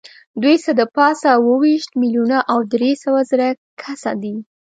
دوی څه د پاسه اووه ویشت میلیونه او درې سوه زره کسه دي.